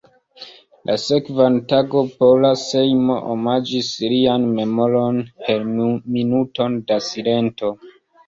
La sekvan tagon Pola Sejmo omaĝis lian memoron per minuto da silento.